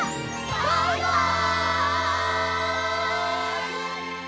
バイバイ！